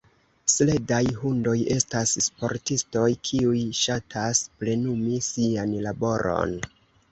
Sledaj hundoj estas sportistoj, kiuj ŝatas plenumi sian laboron.